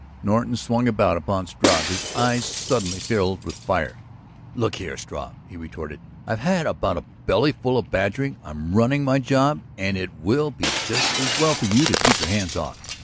Norton swung about upon Struve, his eyes suddenly filled with fire. "Look here, Struve," he retorted, "I've had about a bellyful of badgering. I'm running my job and it will be just as well for you to keep your hands off.